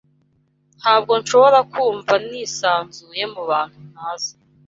Ntabwo nshobora kumva nisanzuye mubantu ntazi